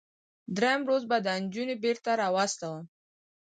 دریم روز به دا نجونې بیرته راواستوم.